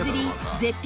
絶品